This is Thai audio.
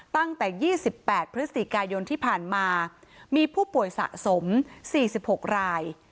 ตั้งแต่ยี่สิบแปดพฤษฎีกายนที่ผ่านมามีผู้ป่วยสะสมสี่สิบหกราย